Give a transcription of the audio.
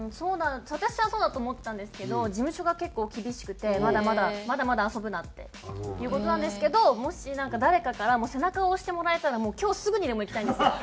私はそうだと思ってたんですけど事務所が結構厳しくてまだまだまだまだ遊ぶなっていう事なんですけどもしなんか誰かから背中を押してもらえたら今日すぐにでも行きたいんですよ。